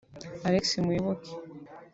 Alexis Muyoboke